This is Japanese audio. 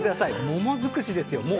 桃尽くしですよ。